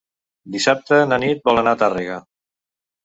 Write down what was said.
Dissabte na Nit vol anar a Tàrrega.